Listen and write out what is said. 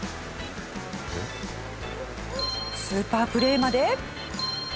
スーパープレーまで。